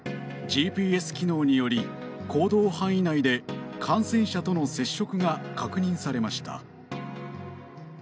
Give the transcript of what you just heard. ＧＰＳ機能により、行動範囲内で感染者との接触が確認されました。